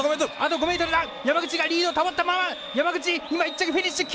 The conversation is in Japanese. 山口がリードを保ったまま山口、今１着フィニッシュ！